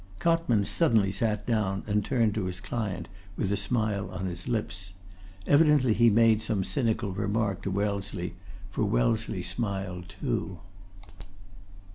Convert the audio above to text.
Cotman suddenly sat down, and turned to his client with a smile on his lips. Evidently he made some cynical remark to Wellesley, for Wellesley smiled too.